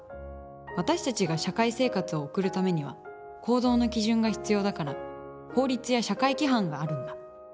私たちが社会生活をおくるためには行動の基準が必要だから法律や社会規範があるんだ。